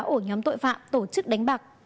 ổ nhóm tội phạm tổ chức đánh bạc